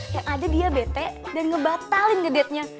yang ada dia bete dan ngebatalin gedetnya